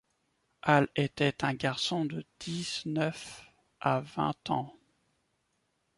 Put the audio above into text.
Hal était un garçon de dix-neuf à vingt ans.